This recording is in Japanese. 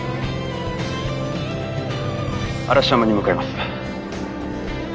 嵐山に向かいます。